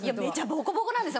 ボコボコなんです